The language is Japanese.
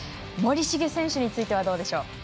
森重選手についてはどうでしょう。